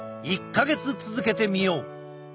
１か月続けてみよう。